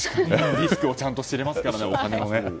リスクをちゃんと知れますからね。